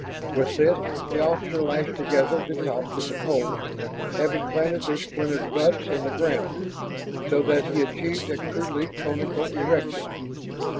With this the officer lashed together the tops of the poles, having planted their splintered butts in the ground, so that he achieved a crudely conical erection.